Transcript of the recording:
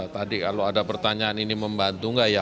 tadi kalau ada pertanyaan ini membantu enggak ya